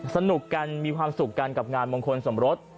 สนุกกันมีความสุขกันกับงานมงคลสมรส